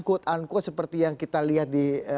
quote unquote seperti yang kita lihat di